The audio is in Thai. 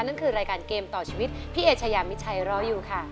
นั่นคือรายการเกมต่อชีวิตพี่เอชายามิชัยรออยู่ค่ะ